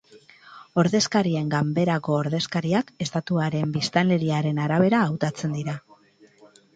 Ordezkarien Ganberako ordezkariak, estatuaren biztanleriaren arabera hautatzen dira.